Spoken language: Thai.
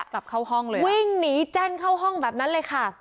กลับเข้าห้องเลยวิ่งหนีแจ้นเข้าห้องแบบนั้นเลยค่ะ